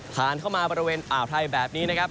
ผ่านเข้ามาบริเวณอ่าวไทยแบบนี้นะครับ